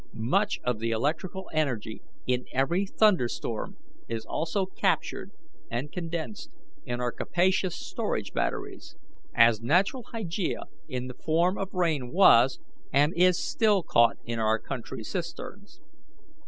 Much of the electrical energy in every thunderstorm is also captured and condensed in our capacious storage batteries, as natural hygeia in the form of rain was and is still caught in our country cisterns.